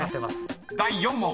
［第４問］